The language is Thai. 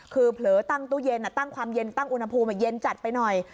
คือเผลอตั้งตู้เย็นตั้งความเย็นตั้งอุณหภูมิเย็นจัดไปหน่อย